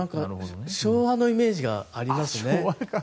昭和のイメージがありますよね。